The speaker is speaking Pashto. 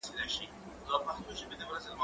زه د کتابتون کتابونه نه لوستل کوم!.